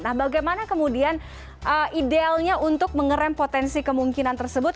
nah bagaimana kemudian idealnya untuk mengerem potensi kemungkinan tersebut